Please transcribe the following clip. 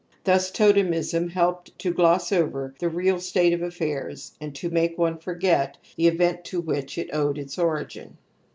Thus totemism helped to gloss over the real state of affairs and to make one forget the event to which it owed its origin.